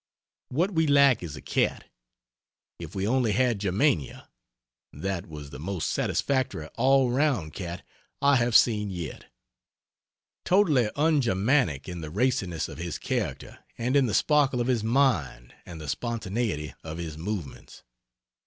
What we lack is a cat. If we only had Germania! That was the most satisfactory all round cat I have seen yet. Totally ungermanic in the raciness of his character and in the sparkle of his mind and the spontaneity of his movements.